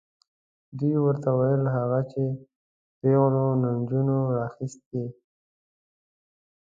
دوی ورته وویل هغه چې پیغلو نجونو راخیستې.